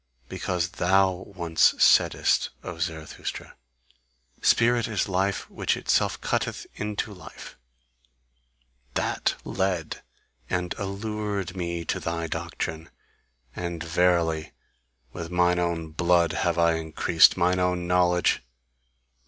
Because THOU once saidest, O Zarathustra: 'Spirit is life which itself cutteth into life'; that led and allured me to thy doctrine. And verily, with mine own blood have I increased mine own knowledge!"